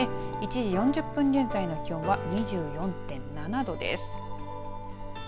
１時４０分現在の気温は２４．７度です。